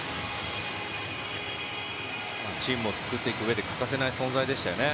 チームを作っていくうえで欠かせない存在でしたよね。